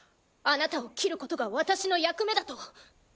あなたを斬ることが私の役目だと。